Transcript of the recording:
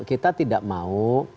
kita tidak mau